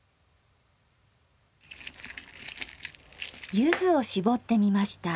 ゆずをしぼってみました。